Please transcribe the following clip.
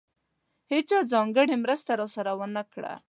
هېچا ځانګړې مرسته راسره ونه کړه.